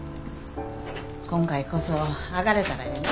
今回こそ上がれたらええな。